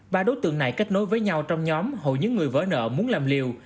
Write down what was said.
ba đối tượng này kết nối với nhau trong nhóm hầu như người vỡ nợ muốn làm liều